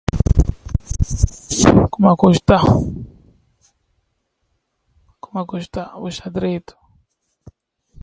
Complete the second sentence in each pair to mean the same as the first.